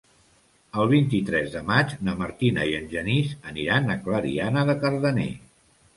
El vint-i-tres de maig na Martina i en Genís aniran a Clariana de Cardener.